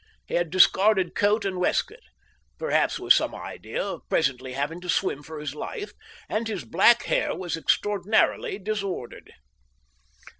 He had discarded coat and waistcoat perhaps with some idea of presently having to swim for his life and his black hair was extraordinarily disordered.